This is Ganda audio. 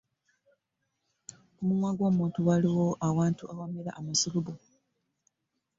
Ku mumwa gw’omuntu waliwo awantu awamera amasulubbu.